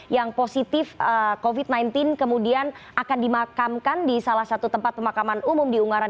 yang positif covid sembilan belas kemudian akan dimakamkan di salah satu tempat pemakaman umum di ungaran